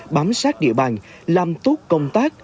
bám sát địa bàn làm tốt công tác